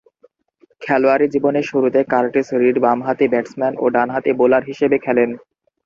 খেলোয়াড়ী জীবনের শুরুতে কার্টিস রিড বামহাতি ব্যাটসম্যান ও ডানহাতি বোলার হিসেবে খেলেন।